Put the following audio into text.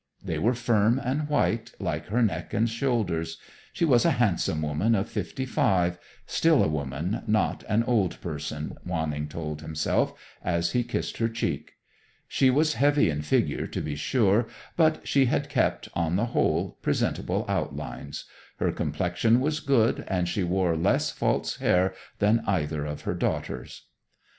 They were firm and white, like her neck and shoulders. She was a handsome woman of fifty five, still a woman, not an old person, Wanning told himself, as he kissed her cheek. She was heavy in figure, to be sure, but she had kept, on the whole, presentable outlines. Her complexion was good, and she wore less false hair than either of her daughters.